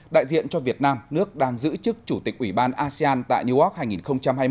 đại diện cho việt nam nước đang giữ chức chủ tịch ủy ban asean tại newark hai nghìn hai mươi